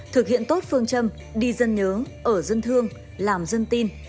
thực hiện tốt phương châm đi dân nhớ ở dân thương làm dân tin